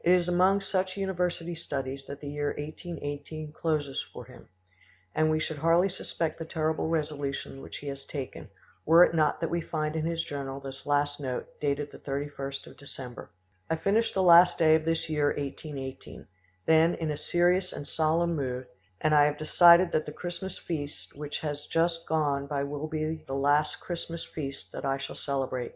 It is among such university studies that the year 1818 closes far him, and we should hardly suspect the terrible resolution which he has taken, were it not that we find in his journal this last note, dated the 31st of December: "I finish the last day of this year 1818, then, in a serious and solemn mood, and I have decided that the Christmas feast which has just gone by will be the last Christmas feast that I shall celebrate.